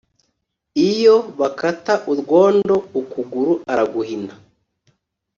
Iyo bakata urwondo ukuguru uraguhina